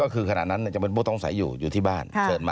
ก็คือขณะนั้นจะเป็นพวกต้องใสอยู่อยู่ที่บ้าน